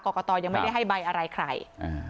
กตยังไม่ได้ให้ใบอะไรใคร